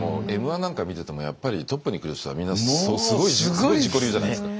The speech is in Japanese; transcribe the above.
「Ｍ‐１」なんか見ててもやっぱりトップに来る人はみんなすごい自己流じゃないですか。